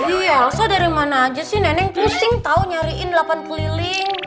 ih elsa dari mana aja sih nenek pusing tau nyariin delapan keliling